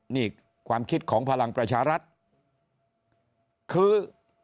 นี่ความคิดของพลังประชารัฐคือ